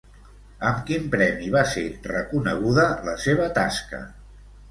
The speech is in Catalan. Amb quin premi va ser reconeguda la seva tasca?